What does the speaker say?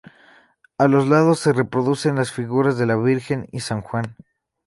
A los lados se reproducen las figuras de la Virgen y san Juan.